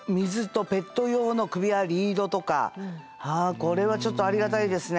ああこれはちょっとありがたいですね。